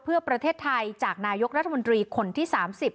เพื่อประเทศไทยจากนายกรัฐมนตรีคนที่๓๐